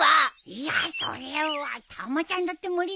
いやそれはたまちゃんだって無理だったんだから。